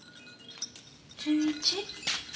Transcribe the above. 純一？